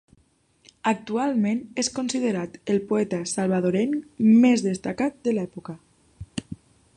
Actualment és considerat el poeta salvadorenc més destacat de l'època.